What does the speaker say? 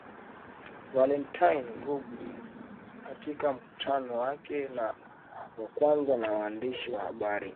Valentine Rugwabiza katika mkutano wake wa kwanza na waandishi wa habari